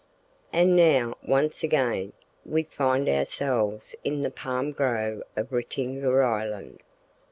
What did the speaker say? And now, once again, we find ourselves in the palm grove of Ratinga Island.